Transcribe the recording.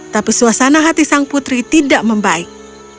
tapi suasana hati sang putri tidak membaik